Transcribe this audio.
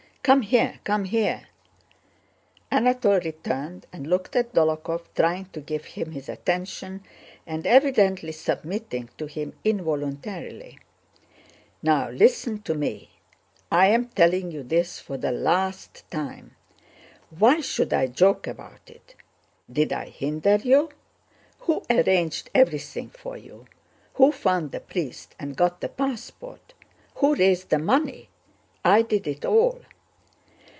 Come here, come here!" Anatole returned and looked at Dólokhov, trying to give him his attention and evidently submitting to him involuntarily. "Now listen to me. I'm telling you this for the last time. Why should I joke about it? Did I hinder you? Who arranged everything for you? Who found the priest and got the passport? Who raised the money? I did it all."